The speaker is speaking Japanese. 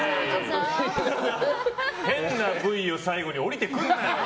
変なＶを最後に降りてくんなよ。